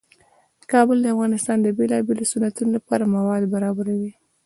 کابل د افغانستان د بیلابیلو صنعتونو لپاره مواد برابروي.